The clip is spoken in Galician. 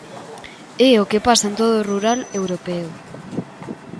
É o que pasa en todo o rural europeo.